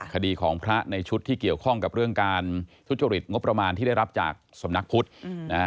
คดีของพระในชุดที่เกี่ยวข้องกับเรื่องการทุจริตงบประมาณที่ได้รับจากสำนักพุทธนะฮะ